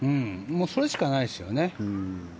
それしかないですよね。